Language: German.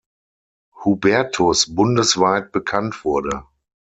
Hubertus“ bundesweit bekannt wurde.